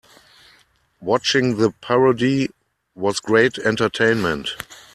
Watching the parody was great entertainment.